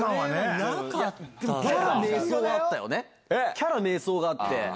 キャラ迷走があって。